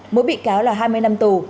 mỗi bị cáo là hai mươi năm tù